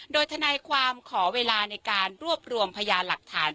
โดยทนายความขอเวลาในการรวบรวมพยานหลักฐาน